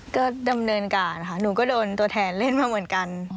ก็ดำเนินการค่ะหนูก็โดนตัวแทนเล่นมาเหมือนกัน